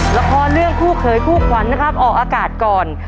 ละครเรื่องคู่เขยคู่ขวัญนะครับออกอากาศก่อน